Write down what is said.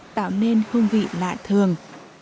tạo nên hương vị lạ thường